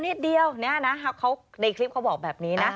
นิดเดียวในคลิปเขาบอกแบบนี้นะ